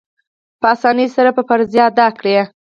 په آسانۍ سره به فریضه ادا کړي.